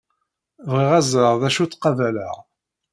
Bɣiɣ ad ẓreɣ d acu ttqabaleɣ.